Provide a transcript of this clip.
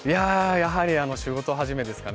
やはり仕事始めですかね。